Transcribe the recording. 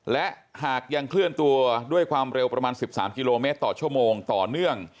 และหากยังเคลื่อนตัวด้วยความเร็วประมาณ๑๓กิโลเมตรต่อชั่วโมงต่อเนื่อง